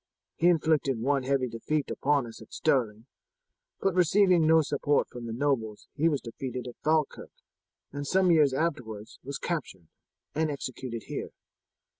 He inflicted one heavy defeat upon us at Stirling, but receiving no support from the nobles he was defeated at Falkirk, and some years afterwards was captured and executed here.